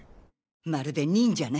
まるで忍者ね。